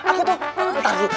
aku tuh entar dulu